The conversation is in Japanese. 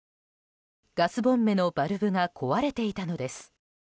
ガスボンベのバルブが壊れていたのです。